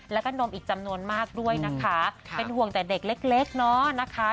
แล้วก็นมอีกจำนวนมากด้วยนะคะเป็นห่วงแต่เด็กเล็กเนาะนะคะ